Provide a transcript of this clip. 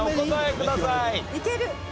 いける！